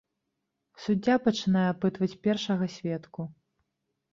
Суддзя пачынае апытваць першага сведку.